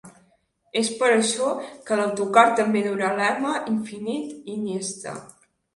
És per això que l’autocar també durà el lema ‘infinit Iniesta’.